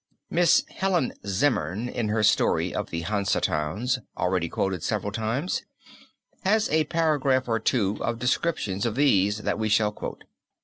Miss Helen Zimmern in her story of the Hansa Towns already quoted several times, has a paragraph or two of descriptions of these that we shall quote.